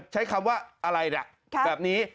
ใช้คำว่าอะไรนะแบบนี้